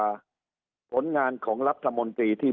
สุดท้ายก็ต้านไม่อยู่